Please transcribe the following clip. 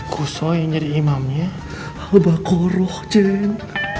kusoy yang jadi imamnya albaqoroh ceng